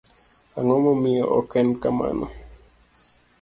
ang'o momiyo ok en kamano?